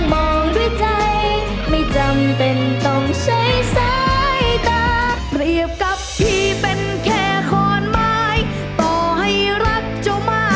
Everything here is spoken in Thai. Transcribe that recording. มั่งจิ้มยาวมั่งกระเป๋ายิ้มชุบ